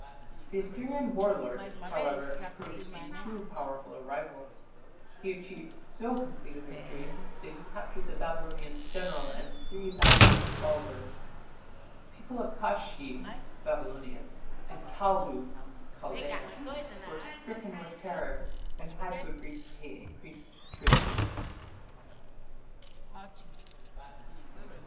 The Assyrian war lord, however, proved to be too powerful a rival. He achieved so complete a victory that he captured the Babylonian general and 3000 of his followers. The people of Kashshi (Babylonia) and Kaldu (Chaldaea) were "stricken with terror", and had to agree to pay increased tribute.